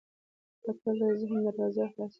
کتل د ذهن دروازې خلاصوي